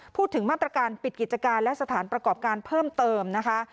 พูดถึงมาตรการปิดกิจการและสถานประกอบการเพิ่มเติมนะคะ